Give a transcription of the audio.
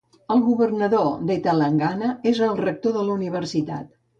El governador de Telangana és el rector de la universitat.